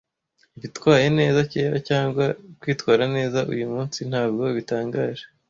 Ibyitwaye neza kera cyangwa kwitwara neza uyumunsi ntabwo bitangaje,